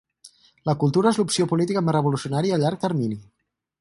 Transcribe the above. «La cultura és l'opció política més revolucionària a llarg termini».